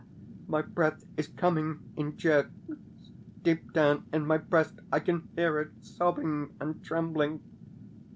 My breath is coming in jerks deep down in my breast I can hear it sobbing and trembling....